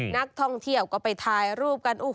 นักท่องเที่ยวก็ไปถ่ายรูปกัน